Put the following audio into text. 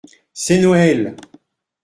c’est Noël.